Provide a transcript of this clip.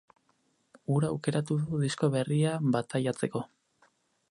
Hura aukeratu du disko berria bataiatzeko.